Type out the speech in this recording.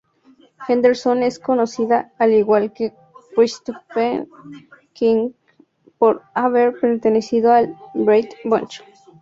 Henderson es conocida al igual que Christopher Knight por haber pertenecido al "Brady Bunch".